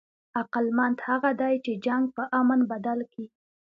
عقلمند هغه دئ، چي جنګ په امن بدل کي.